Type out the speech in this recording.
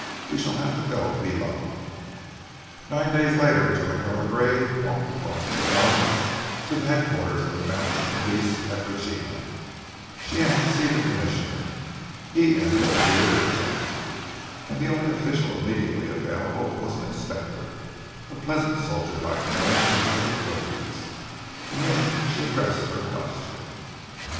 We shall have to go below." Nine days later Joy Gargrave walked across the snow to the headquarters of the Mounted Police at Regina, and asked, to see the Commissioner. He, as it appeared, was absent, and the only official immediately available was an inspector, a pleasant soldier like man in the early thirties. To him she addressed her question.